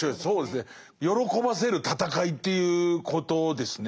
喜ばせる戦いということですね。